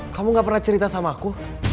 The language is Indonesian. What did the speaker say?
kamu gak pernah cerita sama aku